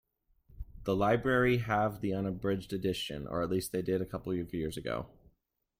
The library have the unabridged edition, or at least they did a couple of years ago.